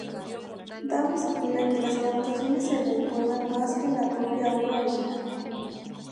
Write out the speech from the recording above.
Davis opina que las adaptaciones se recuerdan más que la propia obra original.